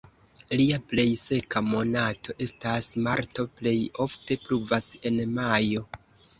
Lia plej seka monato estas marto, plej ofte pluvas en majo.